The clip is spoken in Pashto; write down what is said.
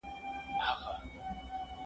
زه به سبا اوبه پاک کړم؟